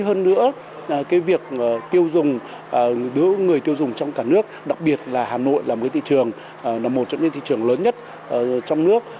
hỗ trợ kết nối hơn nữa là việc người tiêu dùng trong cả nước đặc biệt là hà nội là một trong những thị trường lớn nhất trong nước